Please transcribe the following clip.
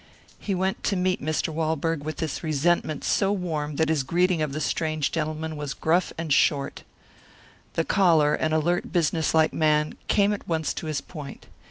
He went to meet Mr. Walberg with this resentment so warm that his greeting of the strange gentleman was gruff and short. The caller, an alert, businesslike man, came at once to his point.